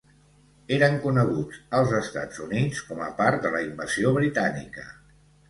Eren coneguts als Estats Units com a part de la invasió britànica.